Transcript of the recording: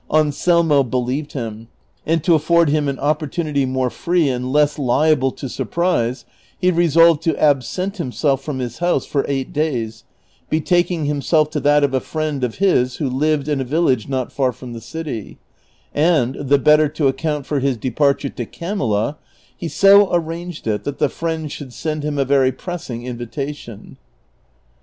Anselmo believed him, and to aiibrd him an opportunitv more free and less liable to surprise, he resolved to absent himself from his house for eight days, betaking himself to that of a friend of his who lived in a village not far from the city ; and, the better to account for his de l^arture to Camilla, he so arranged it that the friend should send him a very pressing invitation.